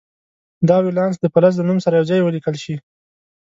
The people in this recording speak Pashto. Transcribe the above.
دا ولانس د فلز له نوم سره یو ځای ولیکل شي.